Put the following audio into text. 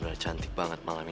karena dia ada sisa bambu di sisi